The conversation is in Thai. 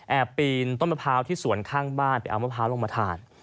ปีนต้นมะพร้าวที่สวนข้างบ้านไปเอามะพร้าวลงมาทาน